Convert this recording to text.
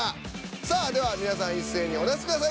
さあでは皆さん一斉にお出しください。